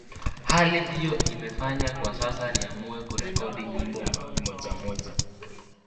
Hali hiyo imenifanya kwa sasa niamue kurekodi nyimbo moja moja